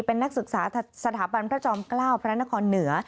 เป็นนักศึกษาสถาบันพระจอมเกล้าพระนครเหนือ